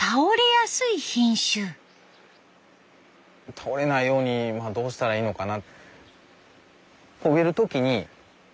倒れないようにどうしたらいいのかな。